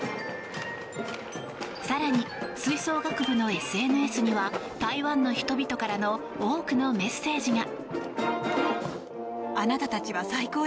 更に、吹奏楽部のＳＮＳには台湾の人々からの多くのメッセージが。